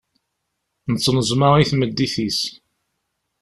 Tettneẓma i tmeddit-is.